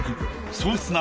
そうですね。